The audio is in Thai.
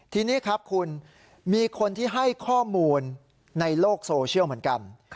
ทีนี้ครับคุณมีคนที่ให้ข้อมูลในโลกโซเชียลเหมือนกัน